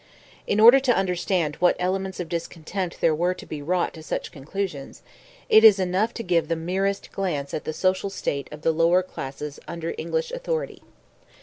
In order to understand what elements of discontent there were to be wrought to such conclusions, it is enough to give the merest glance at the social state of the lower classes under English authority.